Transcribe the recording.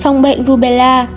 phòng bệnh rubella